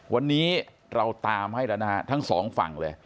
วันนี้เราตามให้แล้วนะฮะทั้งสองฝั่งเลย